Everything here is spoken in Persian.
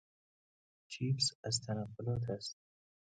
چیپس از تنقلات است.